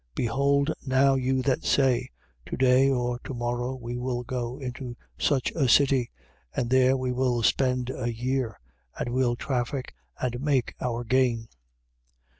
Behold, now you that say: To day or to morrow we will go into such a city, and there we will spend a year and will traffic and make our gain.